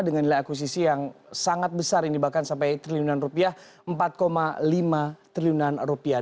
dengan nilai akusisi yang sangat besar ini bahkan sampai triliunan rupiah empat lima triliunan rupiah